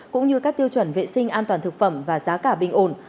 cũng như các tiêu chuẩn vệ sinh an toàn thực phẩm và giá cả bình ổn